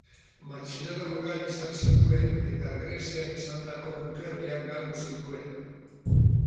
Matxinada ugari izan zituen eta Grezian izandako dukerriak galdu zituen.